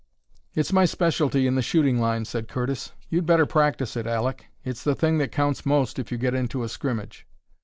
"It's my specialty in the shooting line," said Curtis. "You'd better practise it, Aleck. It's the thing that counts most if you get into a scrimmage."